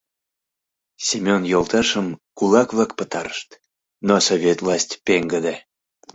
— Семен йолташым кулак-влак пытарышт, но совет власть пеҥгыде.